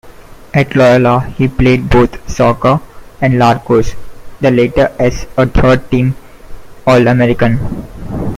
At Loyola, he played both soccer and lacrosse, the latter as a third-team All-American.